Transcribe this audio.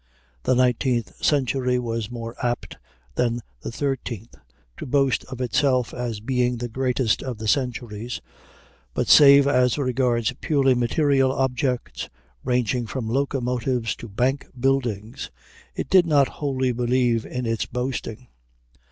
The nineteenth century was more apt than the thirteenth to boast of itself as being the greatest of the centuries; but, save as regards purely material objects, ranging from locomotives to bank buildings, it did not wholly believe in its boasting.